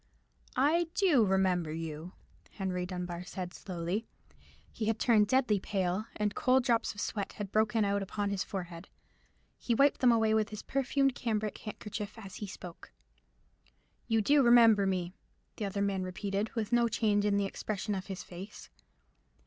"I do remember you," Henry Dunbar said slowly. He had turned deadly pale, and cold drops of sweat had broken out upon his forehead: he wiped them away with his perfumed cambric handkerchief as he spoke. "You do remember me?" the other man repeated, with no change in the expression of his face.